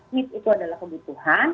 need itu adalah kebutuhan